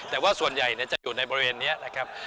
แต่ว่าส่วนใหญ่จะอยู่ในบริเวณนี้นะครับ